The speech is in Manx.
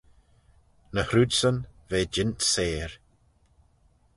Ny hrooidsyn ve jeant seyr.